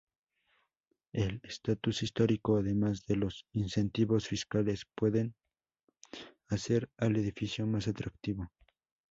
El status histórico, además de los incentivos fiscales, pueden hacer al edificio más atractivo.